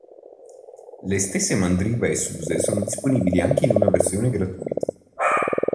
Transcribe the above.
Le stesse Mandriva e Suse sono disponibili anche in una versione gratuita.